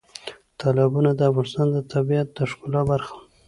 تالابونه د افغانستان د طبیعت د ښکلا برخه ده.